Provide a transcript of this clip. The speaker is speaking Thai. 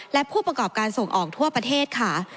และผู้ประกอบการส่งออกทั่วประเทศค่ะ